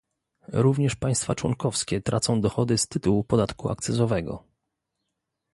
Również państwa członkowskie tracą dochody z tytułu podatku akcyzowego